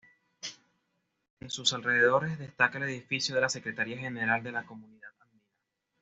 En sus alrededores destaca el edificio de la Secretaría General de la Comunidad Andina.